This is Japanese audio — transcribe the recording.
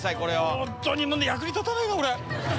本当に役に立たないな俺。